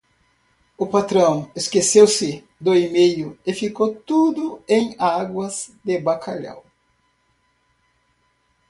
O patrão esqueceu-se do email e ficou tudo em águas de bacalhau.